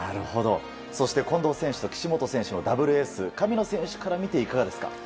そして、近藤選手と岸本選手のダブルエース神野選手から見ていかがですか？